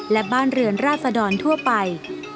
และบ้านเรือนราษดรทั่วไป